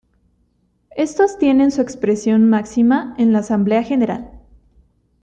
Estos tienen su expresión máxima en la Asamblea General.